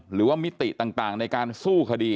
หรือว่ามิติต่างในการสู้คดี